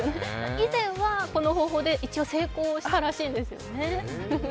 以前はこの方法で一応、成功したらしいんですね。